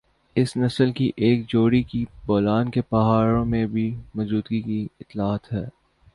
اس نسل کی ایک جوڑی کی بولان کے پہاڑیوں میں بھی موجودگی کی اطلاعات ہے